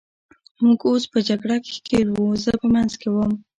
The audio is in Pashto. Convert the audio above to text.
موږ اوس په جګړه کې ښکېل وو، زه په منځ کې وم.